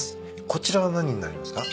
こちらは何になりますか？